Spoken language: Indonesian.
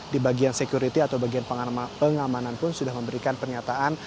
di bagian security atau bagian pengamanan pun sudah memberikan pernyataan